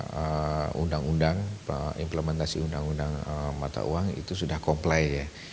kalau undang undang implementasi undang undang mata uang itu sudah comply ya